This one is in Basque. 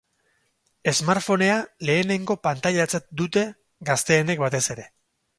Smartphonea lehenengo pantailatzat dute, gazteenek batez ere.